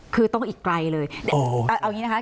คือต้องอีกไกลเลยเอาอย่างนี้นะคะ